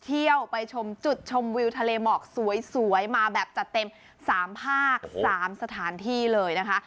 เที่ยวไปชมจุดชมวิวทะเลหมอกสวยมาแบบจัดเต็ม๓ภาค๓สถานที่เลยนะคะ